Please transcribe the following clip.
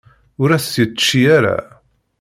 Ur as-t-yečči ara.